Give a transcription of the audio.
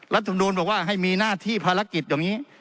รัฐมนูลบอกว่าให้มีหน้าที่ภารกิจอย่างนี้